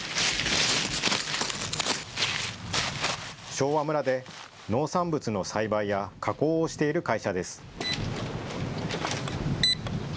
昭和村で農産物の栽培や加工をしている会社です。